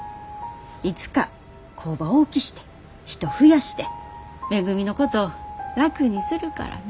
いつか工場大きして人増やしてめぐみのこと楽にするからな」